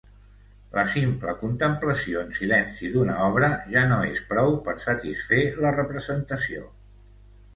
La simple contemplació en silenci d'una obra ja no és prou per satisfer la representació.